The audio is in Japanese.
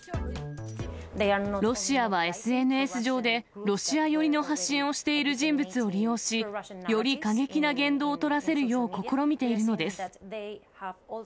ロシアはＳＮＳ上で、ロシア寄りの発信をしている人物を利用し、より過激な言動を取らせるよう試みているのです。